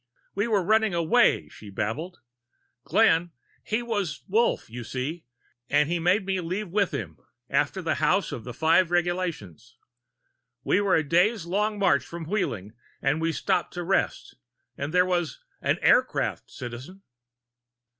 "We were running away," she babbled. "Glenn he was Wolf, you see, and he made me leave with him, after the House of the Five Regulations. We were a day's long march from Wheeling and we stopped to rest. And there was an aircraft, Citizen!"